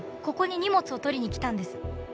ここに荷物を取りに来たんです